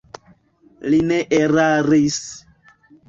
Li ne eraris.